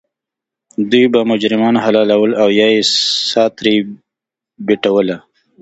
دوی به مجرمان حلالول او یا یې سا ترې بیټوله.